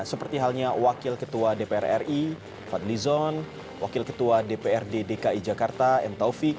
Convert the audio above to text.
seperti halnya wakil ketua dpr ri fadlizon wakil ketua dprd dki jakarta m taufik